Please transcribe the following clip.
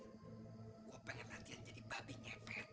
aku ingin nanti jadi babi nyepet